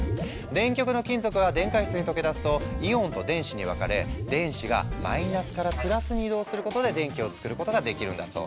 電極の金属が電解質に溶け出すとイオンと電子に分かれ電子がマイナスからプラスに移動することで電気を作ることができるんだそう。